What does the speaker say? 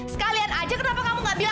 sekalian aja kenapa kamu gak bilang